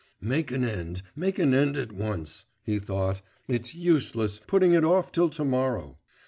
'Make an end, make an end at once,' he thought; 'it's useless putting it off till to morrow.